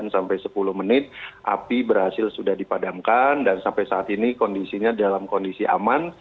sampai sepuluh menit api berhasil sudah dipadamkan dan sampai saat ini kondisinya dalam kondisi aman